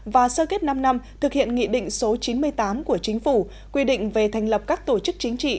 và sơ kết năm năm thực hiện nghị định số chín mươi tám của chính phủ quy định về thành lập các tổ chức chính trị